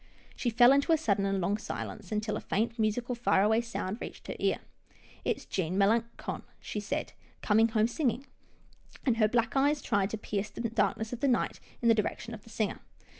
She fell into a sudden and long silence, until a faint, musical, far away sound reached her ear. " It's Jean Melangon," she said, " coming home singing," and her black eyes tried to pierce the darkness of the night in the direction of the singer.